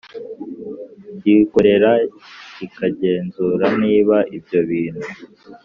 cyikorera kikagenzura niba ibyo bintu